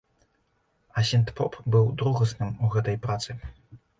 А сінт-поп быў другасным у гэтай працы.